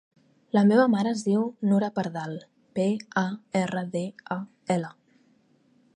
La meva mare es diu Nura Pardal: pe, a, erra, de, a, ela.